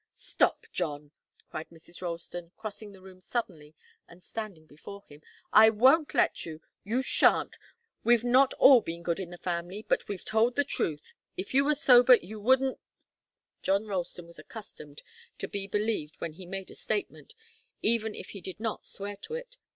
"Stop, John!" cried Mrs. Ralston, crossing the room suddenly and standing before him. "I won't let you you shan't! We've not all been good in the family, but we've told the truth. If you were sober you wouldn't " John Ralston was accustomed to be believed when he made a statement, even if he did not swear to it.